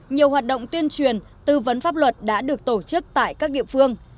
nhiều hoạt động tuyên truyền tư vấn pháp luật đã được tổ chức tại các địa phương